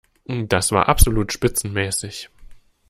Das war absolut spitzenmäßig!